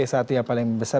satu yang paling besar